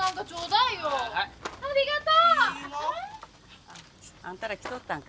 いいな。あんたら来とったんか。